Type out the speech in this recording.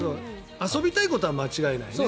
遊びたいことは間違いないね。